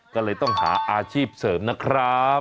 ก็เลยต้องหาอาชีพเสริมนะครับ